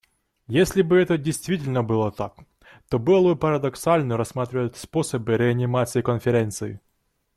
Если бы это действительно было так, то было бы парадоксально рассматривать способы реанимации Конференции.